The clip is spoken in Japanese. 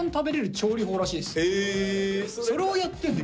それをやってんだ。